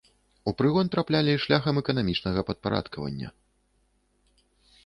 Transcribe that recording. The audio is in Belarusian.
У прыгон траплялі шляхам эканамічнага падпарадкавання.